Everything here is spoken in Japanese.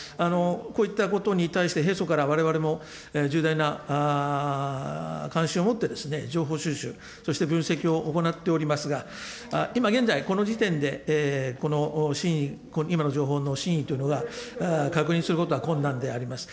こういったことに対して、平素からわれわれも重大な関心を持ってですね、情報収集、そして分析を行っておりますが、今現在、この時点でこの真意、今の情報の真意というのは確認することは困難であります。